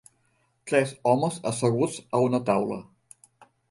Tres homes asseguts a una taula.